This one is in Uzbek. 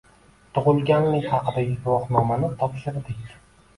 Tugʻilganlik haqidagi guvohnomani topshirdik